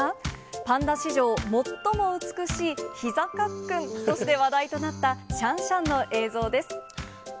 パンダ史上、最も美しいひざかっくんとして話題となった、シャンシャンの映像です。